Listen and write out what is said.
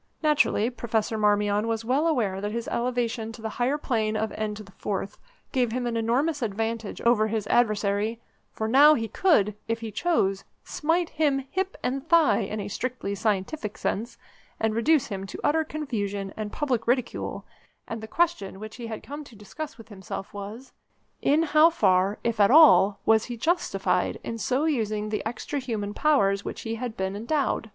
Naturally Professor Marmion was well aware that his elevation to the higher plane of N4 gave him an enormous advantage over his adversary, for now he could, if he chose, smite him hip and thigh, in a strictly scientific sense, and reduce him to utter confusion and public ridicule, and the question which he had come to discuss with himself was: In how far, if at all, was he justified in so using the extra human powers with which he had been endowed?